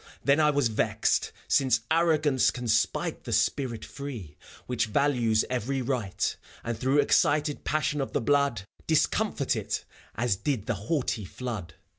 Then I was vexed, since arrogance can spite The spirit free, which values every right, And through excited passion of the blood Discomfort it, as did the haughty flood.